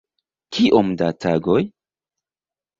Kiom da tagoj?